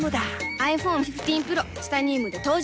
ｉＰｈｏｎｅ１５Ｐｒｏ チタニウムで登場